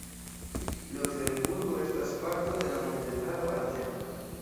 Luksemburgo estas parto de la montetaro Ardenoj.